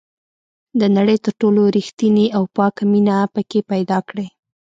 د نړۍ تر ټولو ریښتینې او پاکه مینه پکې پیدا کړئ.